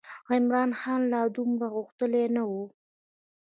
عمرا خان لا دومره غښتلی نه و.